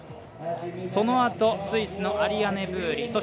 そのあと、スイスのアリアネ・ブーリ。